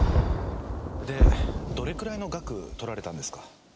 でどれくらいの額取られたんですか？